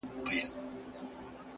خوله يوه ښه ده؛ خو خبري اورېدل ښه دي؛